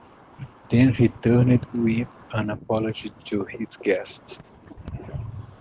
Then he turned with an apology to his guests.